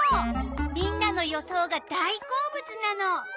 みんなの予想が大好物なの。